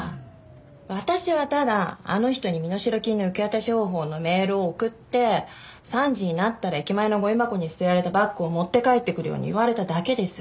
私はただあの人に身代金の受け渡し方法のメールを送って３時になったら駅前のゴミ箱に捨てられたバッグを持って帰ってくるように言われただけです。